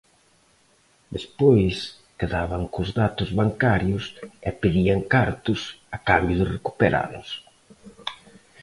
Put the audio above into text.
Despois quedaban cos datos bancarios e pedían cartos a cambio de recuperalos.